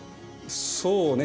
そうね。